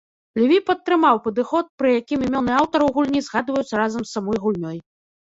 Леві падтрымаў падыход, пры якім імёны аўтараў гульні згадваюцца разам з самой гульнёй.